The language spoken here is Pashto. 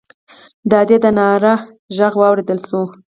د ادي د ناره غږ واورېدل شو.